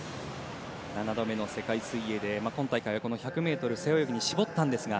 ７度目の世界水泳で今大会は１００ｍ背泳ぎに絞ったんですが。